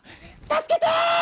「助けて！」。